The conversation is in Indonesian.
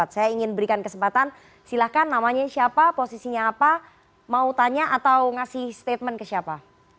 saya ingin berikan kesempatan silahkan namanya siapa posisinya apa mau tanya atau ngasih statement ke siapa